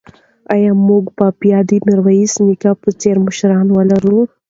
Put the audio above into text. ایا موږ به بیا د میرویس نیکه په څېر مشر ولرو؟